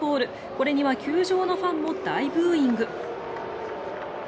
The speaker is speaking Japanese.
これには球場のファンも大ブーイング。